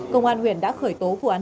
công an huyện đã khởi tố phù án